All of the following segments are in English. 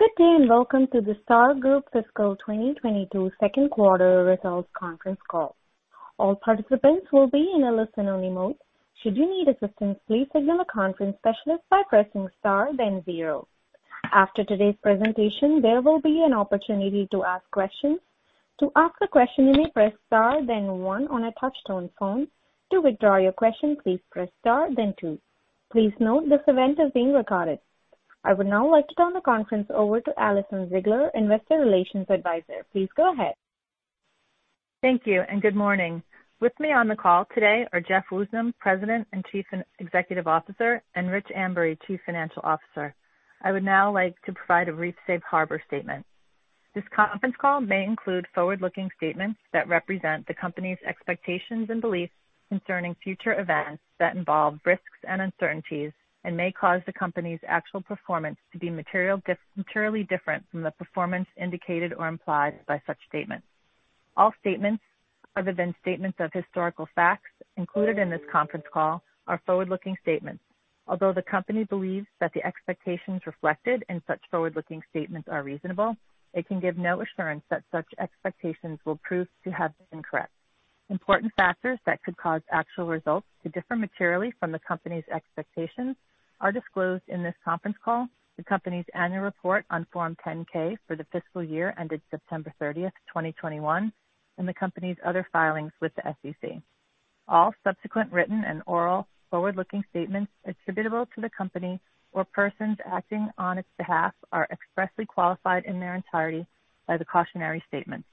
Good day, and welcome to the Star Group fiscal 2022 second quarter results conference call. All participants will be in a listen-only mode. Should you need assistance, please signal a conference specialist by pressing star, then zero. After today's presentation, there will be an opportunity to ask questions. To ask a question, you may press star then one on a touch-tone phone. To withdraw your question, please press star then two. Please note this event is being recorded. I would now like to turn the conference over to Alison Ziegler, Investor Relations Adviser. Please go ahead. Thank you and good morning. With me on the call today are Jeff Woosnam, President and Chief Executive Officer, and Rich Ambury, Chief Financial Officer. I would now like to provide a safe harbor statement. This conference call may include forward-looking statements that represent the company's expectations and beliefs concerning future events that involve risks and uncertainties and may cause the company's actual performance to be materially different from the performance indicated or implied by such statements. All statements other than statements of historical facts included in this conference call are forward-looking statements. Although the company believes that the expectations reflected in such forward-looking statements are reasonable, it can give no assurance that such expectations will prove to have been correct. Important factors that could cause actual results to differ materially from the company's expectations are disclosed in this conference call. The company's annual report on Form 10-K for the fiscal year ended September 30, 2021, and the company's other filings with the SEC. All subsequent written and oral forward-looking statements attributable to the company or persons acting on its behalf are expressly qualified in their entirety by the cautionary statements.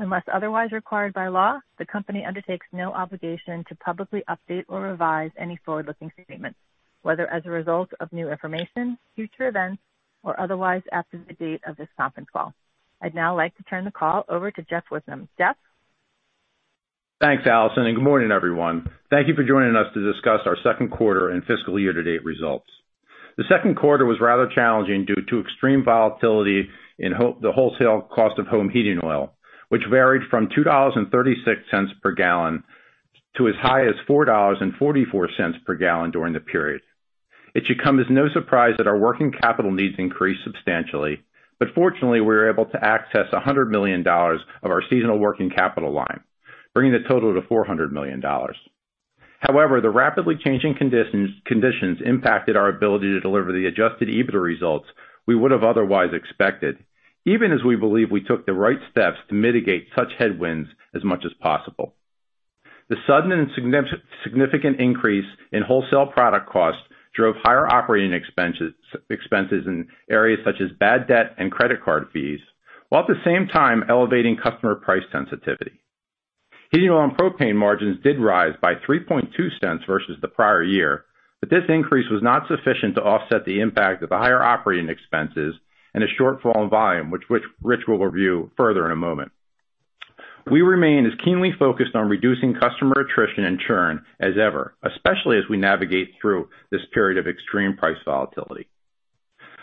Unless otherwise required by law, the company undertakes no obligation to publicly update or revise any forward-looking statements, whether as a result of new information, future events, or otherwise, after the date of this conference call. I'd now like to turn the call over to Jeff Woosnam. Jeff? Thanks, Alison, and good morning, everyone. Thank you for joining us to discuss our second quarter and fiscal year-to-date results. The second quarter was rather challenging due to extreme volatility in the wholesale cost of home heating oil, which varied from $2.36 per gallon to as high as $4.44 per gallon during the period. It should come as no surprise that our working capital needs increased substantially, but fortunately, we were able to access $100 million of our seasonal working capital line, bringing the total to $400 million. However, the rapidly changing conditions impacted our ability to deliver the adjusted EBITDA results we would have otherwise expected, even as we believe we took the right steps to mitigate such headwinds as much as possible. The sudden and significant increase in wholesale product costs drove higher operating expenses in areas such as bad debt and credit card fees, while at the same time elevating customer price sensitivity. Heating oil and propane margins did rise by $0.032 versus the prior year, but this increase was not sufficient to offset the impact of the higher operating expenses and a shortfall in volume, which Rich will review further in a moment. We remain as keenly focused on reducing customer attrition and churn as ever, especially as we navigate through this period of extreme price volatility.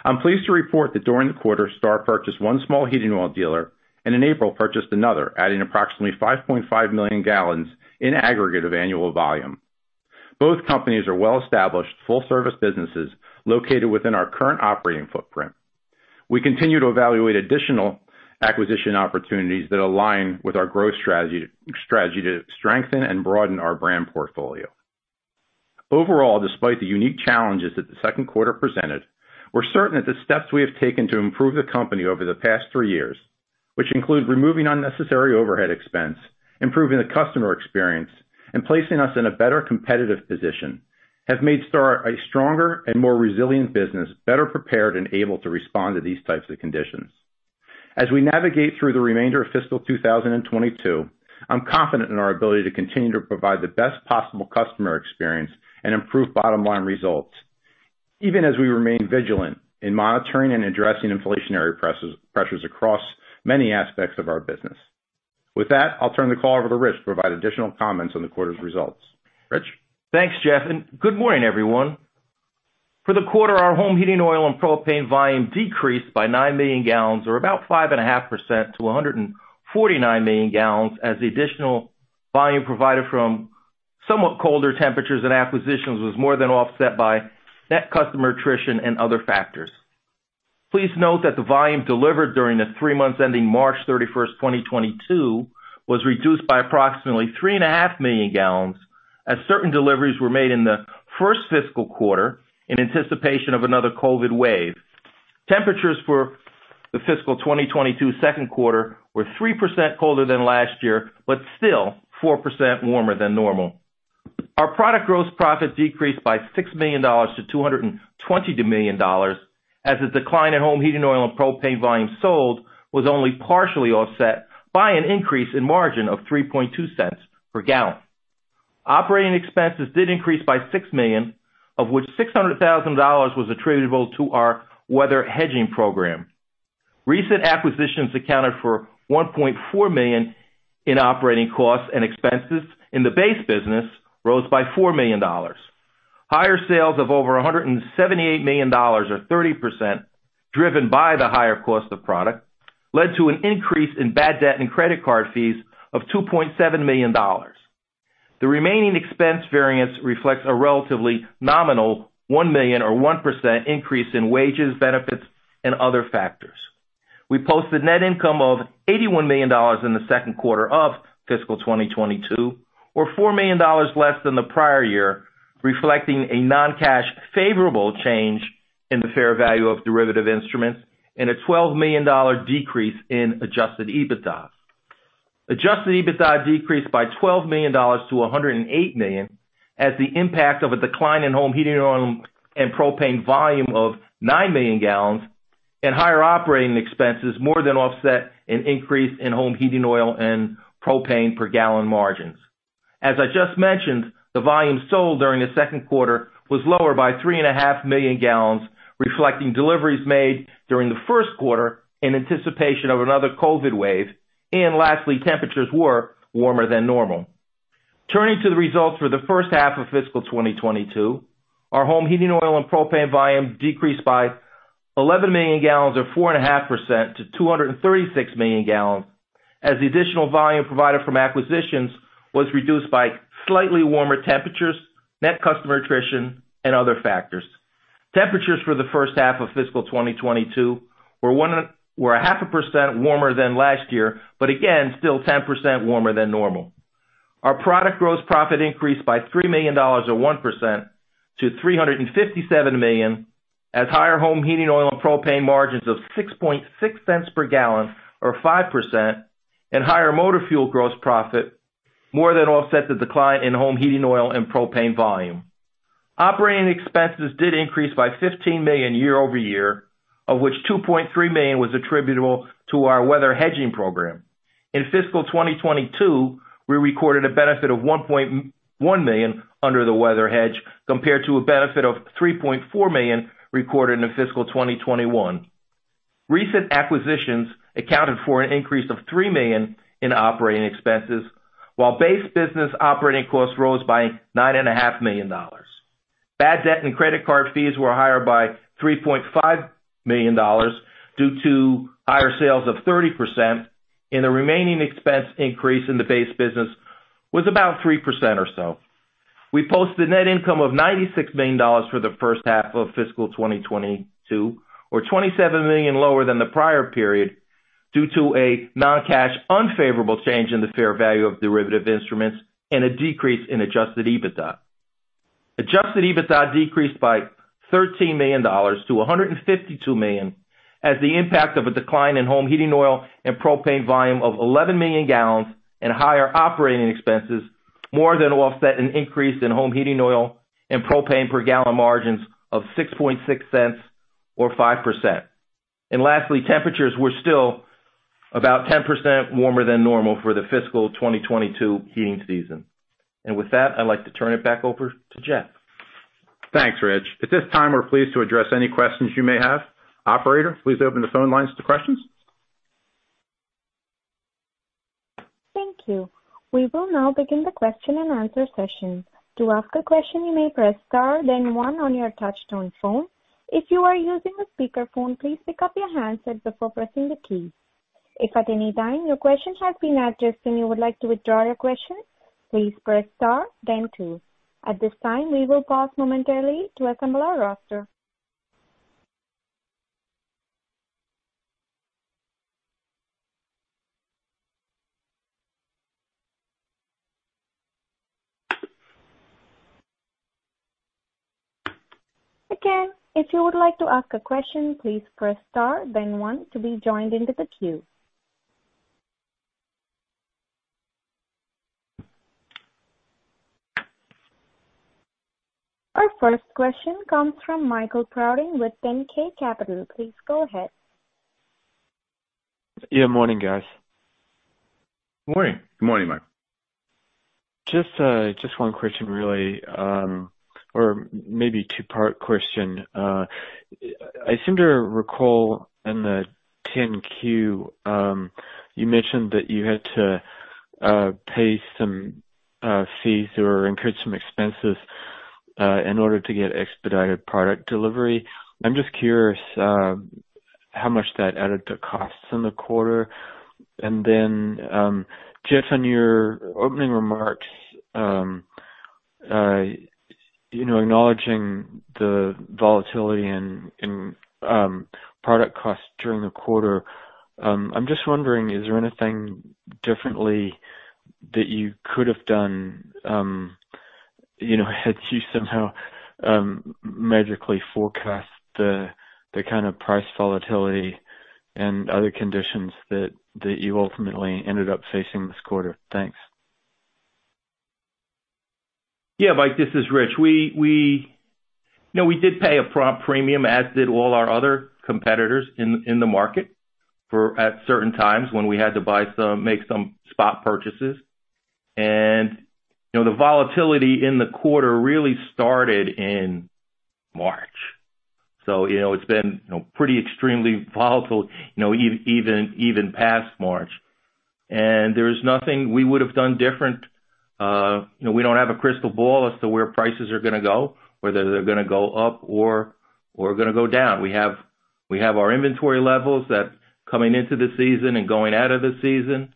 I'm pleased to report that during the quarter, Star purchased one small heating oil dealer and in April purchased another, adding approximately 5.5 million gallons in aggregate of annual volume. Both companies are well-established full-service businesses located within our current operating footprint. We continue to evaluate additional acquisition opportunities that align with our growth strategy to strengthen and broaden our brand portfolio. Overall, despite the unique challenges that the second quarter presented, we're certain that the steps we have taken to improve the company over the past three years, which include removing unnecessary overhead expense, improving the customer experience, and placing us in a better competitive position, have made Star a stronger and more resilient business, better prepared and able to respond to these types of conditions. As we navigate through the remainder of fiscal 2022, I'm confident in our ability to continue to provide the best possible customer experience and improve bottom-line results, even as we remain vigilant in monitoring and addressing inflationary pressures across many aspects of our business. With that, I'll turn the call over to Rich to provide additional comments on the quarter's results. Rich? Thanks, Jeff, and good morning, everyone. For the quarter, our home heating oil and propane volume decreased by 9 million gallons or about 5.5% to 149 million gallons as the additional volume provided from somewhat colder temperatures and acquisitions was more than offset by net customer attrition and other factors. Please note that the volume delivered during the three months ending March 31, 2022, was reduced by approximately 3.5 million gallons as certain deliveries were made in the first fiscal quarter in anticipation of another COVID wave. Temperatures for the fiscal 2022 second quarter were 3% colder than last year, but still 4% warmer than normal. Our product gross profit decreased by $6 million to $220 million as the decline in home heating oil and propane volume sold was only partially offset by an increase in margin of $0.032 per gallon. Operating expenses did increase by $6 million, of which $600,000 was attributable to our weather hedging program. Recent acquisitions accounted for $1.4 million in operating costs and expenses, and the base business rose by $4 million. Higher sales of over $178 million are 30% driven by the higher cost of product, led to an increase in bad debt and credit card fees of $2.7 million. The remaining expense variance reflects a relatively nominal $1 million or 1% increase in wages, benefits, and other factors. We posted net income of $81 million in the second quarter of fiscal 2022, or $4 million less than the prior year, reflecting a non-cash favorable change in the fair value of derivative instruments and a $12 million decrease in Adjusted EBITDA. Adjusted EBITDA decreased by $12 million to $108 million as the impact of a decline in home heating oil and propane volume of 9 million gallons and higher operating expenses more than offset an increase in home heating oil and propane per gallon margins. As I just mentioned, the volume sold during the second quarter was lower by 3.5 million gallons, reflecting deliveries made during the first quarter in anticipation of another COVID wave. Lastly, temperatures were warmer than normal. Turning to the results for the first half of fiscal 2022, our home heating oil and propane volume decreased by 11 million gallons or 4.5% to 236 million gallons, as the additional volume provided from acquisitions was reduced by slightly warmer temperatures, net customer attrition and other factors. Temperatures for the first half of fiscal 2022 were 0.5% warmer than last year, but again still 10% warmer than normal. Our product gross profit increased by $3 million, or 1% to $357 million, as higher home heating oil and propane margins of $0.066 per gallon, or 5%, and higher motor fuel gross profit more than offset the decline in home heating oil and propane volume. Operating expenses did increase by $15 million year-over-year, of which $2.3 million was attributable to our weather hedging program. In fiscal 2022, we recorded a benefit of $1.1 million under the weather hedge, compared to a benefit of $3.4 million recorded in fiscal 2021. Recent acquisitions accounted for an increase of $3 million in operating expenses, while base business operating costs rose by $9.5 million. Bad debt and credit card fees were higher by $3.5 million due to higher sales of 30%, and the remaining expense increase in the base business was about 3% or so. We posted net income of $96 million for the first half of fiscal 2022, or $27 million lower than the prior period, due to a non-cash unfavorable change in the fair value of derivative instruments and a decrease in adjusted EBITDA. Adjusted EBITDA decreased by $13 million to $152 million as the impact of a decline in home heating oil and propane volume of 11 million gallons and higher operating expenses more than offset an increase in home heating oil and propane per gallon margins of $0.066 or 5%. Lastly, temperatures were still about 10% warmer than normal for the fiscal 2022 heating season. With that, I'd like to turn it back over to Jeff. Thanks, Rich. At this time, we're pleased to address any questions you may have. Operator, please open the phone lines to questions. Thank you. We will now begin the question and answer session. To ask a question, you may press star then one on your touch-tone phone. If you are using a speakerphone, please pick up your handset before pressing the key. If at any time your question has been addressed and you would like to withdraw your question, please press star then two. At this time, we will pause momentarily to assemble our roster. Again, if you would like to ask a question, please press star then one to be joined into the queue. Our first question comes from Michael Prouting with 10K Capital. Please go ahead. Yeah, morning guys. Morning. Good morning, Mike. Just one question really, or maybe two-part question. I seem to recall in the Form 10-Q you mentioned that you had to pay some fees or incur some expenses in order to get expedited product delivery. I'm just curious how much that added to costs in the quarter. Jeff, on your opening remarks you know acknowledging the volatility in product costs during the quarter, I'm just wondering is there anything differently that you could have done you know had you somehow magically forecast the kind of price volatility and other conditions that you ultimately ended up facing this quarter? Thanks. Yeah, Mike, this is Rich. We did pay a premium, as did all our other competitors in the market at certain times when we had to buy some, make some spot purchases. You know, the volatility in the quarter really started in March. You know, it's been, you know, pretty extremely volatile, you know, even past March. There is nothing we would have done different. You know, we don't have a crystal ball as to where prices are gonna go, whether they're gonna go up or gonna go down. We have our inventory levels that coming into the season and going out of the season.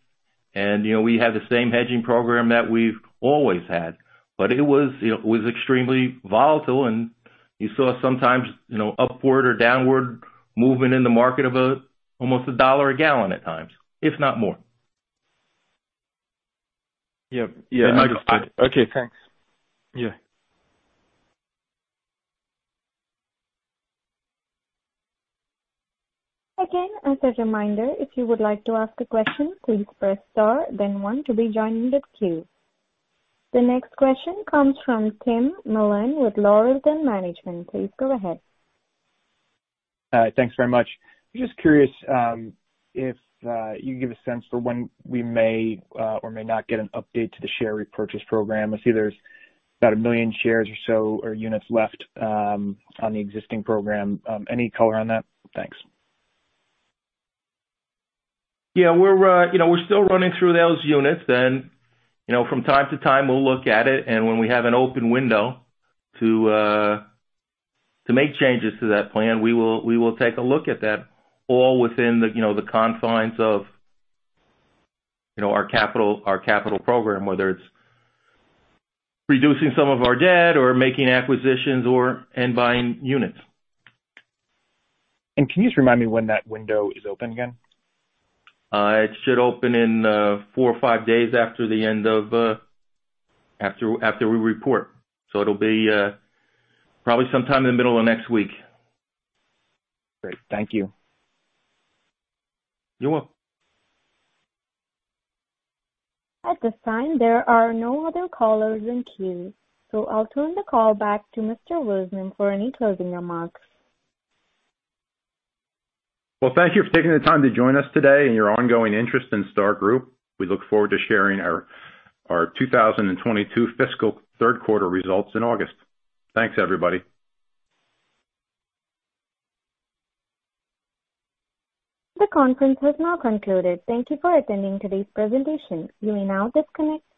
You know, we have the same hedging program that we've always had. It was extremely volatile. You saw sometimes, you know, upward or downward movement in the market of almost $1 a gallon at times, if not more. Yeah. Yeah. I understood. Okay, thanks. Yeah. Again, as a reminder, if you would like to ask a question, please press star then one to be joined in the queue. The next question comes from Tim Mullen with Laurelton Management. Please go ahead. Thanks very much. Just curious, if you could give a sense for when we may, or may not get an update to the share repurchase program. I see there's about one million shares or so units left, on the existing program. Any color on that? Thanks. Yeah, we're, you know, we're still running through those units. You know, from time to time we'll look at it, and when we have an open window to make changes to that plan, we will take a look at that all within the, you know, the confines of, you know, our capital program, whether it's reducing some of our debt or making acquisitions and buying units. Can you just remind me when that window is open again? It should open in four or five days after we report. It'll be probably sometime in the middle of next week. Great. Thank you. You're welcome. At this time, there are no other callers in queue, so I'll turn the call back to Mr. Woosnam for any closing remarks. Well, thank you for taking the time to join us today and your ongoing interest in Star Group. We look forward to sharing our 2022 fiscal third quarter results in August. Thanks, everybody. The conference has now concluded. Thank you for attending today's presentation. You may now disconnect.